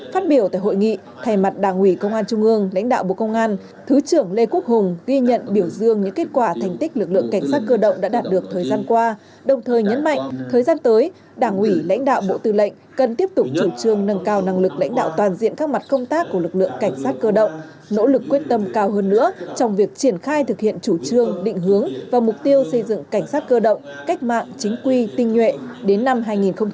phát biểu tại hội nghị thầy mặt đảng ủy công an trung ương lãnh đạo bộ công an thứ trưởng lê quốc hùng ghi nhận biểu dương những kết quả thành tích lực lượng cảnh sát cơ động đã đạt được thời gian qua đồng thời nhấn mạnh thời gian tới đảng ủy lãnh đạo bộ tư lệnh cần tiếp tục chủ trương nâng cao năng lực lãnh đạo toàn diện các mặt công tác của lực lượng cảnh sát cơ động nỗ lực quyết tâm cao hơn nữa trong việc triển khai thực hiện chủ trương định hướng và mục tiêu xây dựng cảnh sát cơ động cách mạng chính quy tinh n